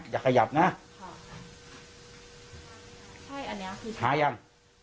ใช่อันนี้หายัง